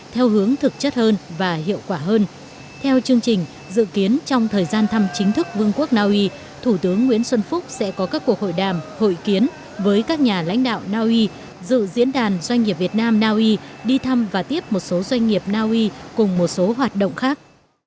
thủ tướng nguyễn xuân phúc sẽ có các cuộc hội đàm hội kiến với các nhà lãnh đạo naui dự diễn đàn doanh nghiệp việt nam naui đi thăm và tiếp một số doanh nghiệp naui cùng một số hoạt động khác